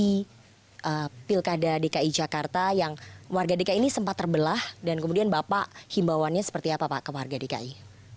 di pilkada dki jakarta yang warga dki ini sempat terbelah dan kemudian bapak himbawannya seperti apa pak ke warga dki